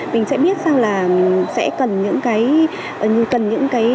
mình sẽ biết sao là sẽ cần những cái gì và những biện phép như thế nào khi là để phòng chống cháy